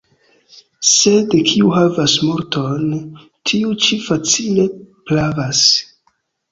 Sed kiu havas multon, tiu ĉi facile pravas.